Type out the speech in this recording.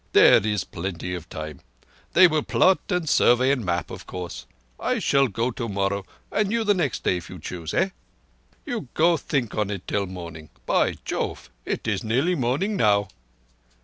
There is plenty of time; they will plot and survey and map, of course. I shall go tomorrow, and you the next day, if you choose. Eh? You go think on it till morning. By Jove, it is near morning now."